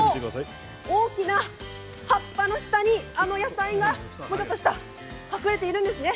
この大きな葉っぱの下にあの野菜が隠れているんですね。